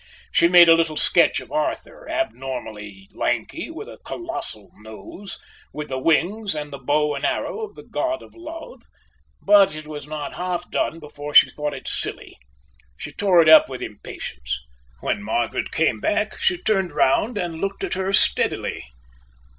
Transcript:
She made a little sketch of Arthur, abnormally lanky, with a colossal nose, with the wings and the bow and arrow of the God of Love, but it was not half done before she thought it silly. She tore it up with impatience. When Margaret came back, she turned round and looked at her steadily.